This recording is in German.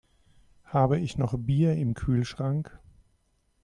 Habe ich noch Bier im Kühlschrank?